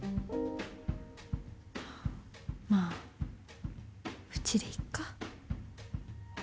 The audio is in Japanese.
まあ、うちでいっか。